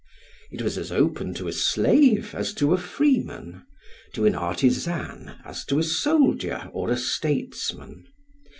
It was as open to a slave as to a freeman, to an artisan as to a soldier or a statesman.